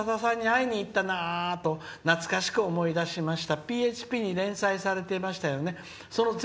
「若いとき、さださんに会いにいったなと懐かしく思い出しました。